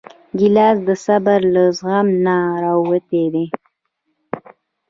ګیلاس د صبر له زغم نه راوتی دی.